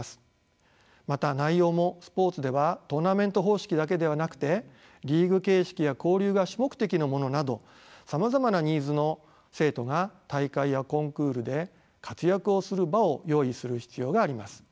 また内容もスポーツではトーナメント方式だけではなくてリーグ形式や交流が主目的のものなどさまざまなニーズの生徒が大会やコンクールで活躍をする場を用意する必要があります。